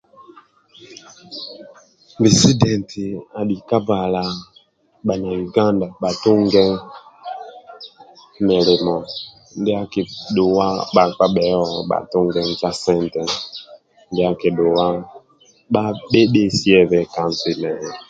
Pulezidenti abhi kakabha bhana Yuganda bhatunge milimo ndia akidhuwa bhakpa bhehe bhatunge mikia sente ndia akidhuwa bhebhesiebe ka nsi mehe